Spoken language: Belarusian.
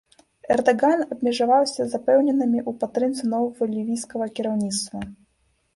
Эрдаган абмежаваўся запэўненнямі ў падтрымцы новага лівійскага кіраўніцтва.